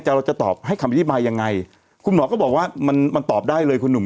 เราจะตอบให้คำอธิบายยังไงคุณหมอก็บอกว่ามันมันตอบได้เลยคุณหนุ่ม